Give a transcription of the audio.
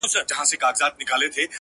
د کلي سپی یې ـ د کلي خان دی ـ